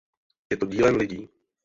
Je to dílem lidí.